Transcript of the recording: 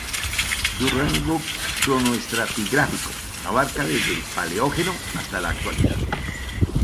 Su rango cronoestratigráfico abarca desde el Paleógeno hasta la Actualidad.